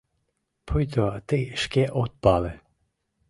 — Пуйто тый шке от пале!